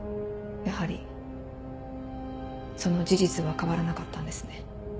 やはりその事実は変わらなかったんですね。